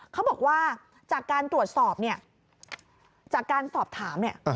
เขาบอกว่าจากการตรวจสอบเนี่ยจากการสอบถามเนี่ย